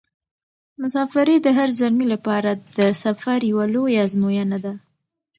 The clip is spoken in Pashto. مساپري د هر زلمي لپاره د صبر یوه لویه ازموینه ده.